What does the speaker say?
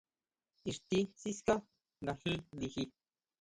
Ixti siská nga jin liji.